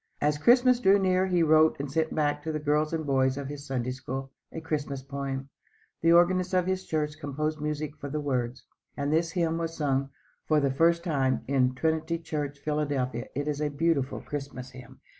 As Christmas drew near he wrote and sent back to the girls and boys of his Sunday School, a Christmas poem. The organist of his church composed music for the words, and this hymn was sung for the first time in Trinity church, Philadelphia. It is a beautiful Christmas hymn.